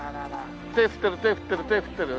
手振ってる手振ってる手振ってる。